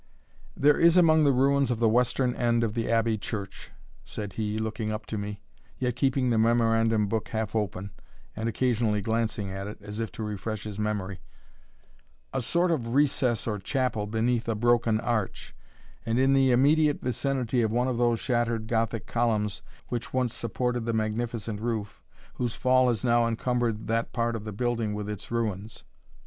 "There is among the ruins of the western end of the Abbey church," said he, looking up to me, yet keeping the memorandum book half open, and occasionally glancing at it, as if to refresh his memory, "a sort of recess or chapel beneath a broken arch, and in the immediate vicinity of one of those shattered Gothic columns which once supported the magnificent roof, whose fall has now encumbered that part of the building with its ruins."